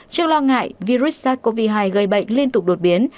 trước lo ngại virus sars cov hai gây bệnh liên tục đột biến